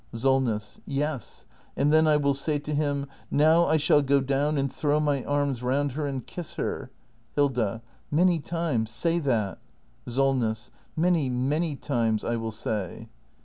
SOLNESS. Yes. And then I will say to him: Now I shall go down and throw my arms round her and kiss her Hilda. — many times! Say that! Solness. — many, many times, I will say!